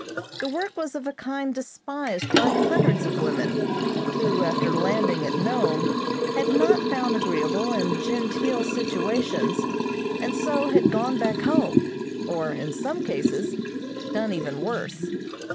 The work was of a kind despised by hundreds of women, who, after landing at Nome, had not found agreeable and genteel situations, and so had gone back home, or, in some cases, done even worse.